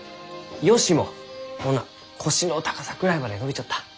ヨシもこんな腰の高さくらいまで伸びちょった。